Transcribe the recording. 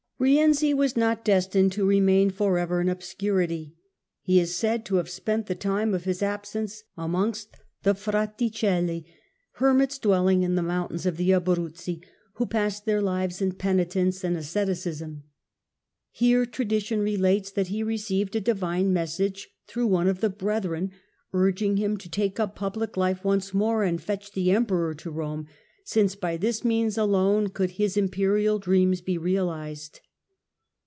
Eienzi was not destined to remain for ever in obscurity. Rienzi in He is said to have spent the time of his absence amongst the Fraticelli, hermits dwelling in the mountains of the Abruzzi, who passed their lives in penitence and as ceticism. Here tradition relates that he received a divine message through one of the brethren, urging him to take up pul^hc hfe once more and fetch the Emperor to Rome, since by this means alone could his Imperial dreams be realised.